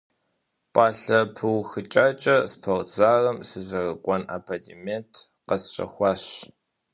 Пӏалъэ пыухыкӏакӏэ спортзалым сызэрыкӏуэн абонемент къэсщэхуащ.